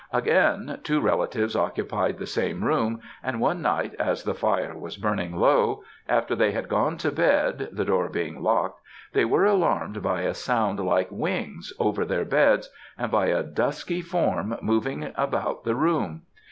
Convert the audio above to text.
Again, two relatives occupied the same room, and one night, as the fire was burning low, after they had gone to bed (the door being locked) they were alarmed by a sound like wings, over their beds, and by a dusky form moving about the room.